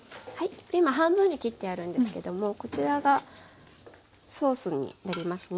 今半分に切ってあるんですけどもこちらがソースになりますね。